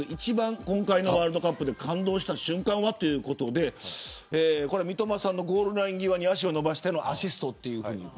今回のワールドカップで一番感動した瞬間はということで三笘さんのゴール際ゴールライン際に足を伸ばしてのアシスト。